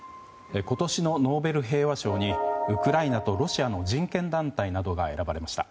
今年のノーベル平和賞にウクライナとロシアの人権団体などが選ばれました。